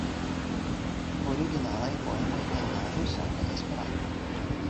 Originalaj poemoj en la rusa kaj Esperanto.